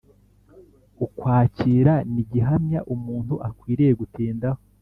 ukwakira ni gihamya umuntu akwiriye gutindaho.